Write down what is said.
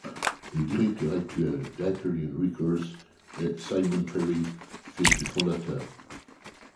Le directeur actuel d’ Hyperion Records est Simon Perry, fils du fondateur.